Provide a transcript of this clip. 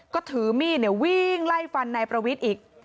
ก็ถือมีดวิ่งไล่ฟันนายประวิทย์อีก